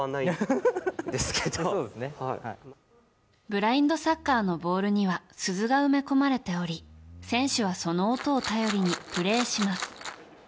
ブラインドサッカーのボールには鈴が埋め込まれており選手はその音を頼りにプレーします。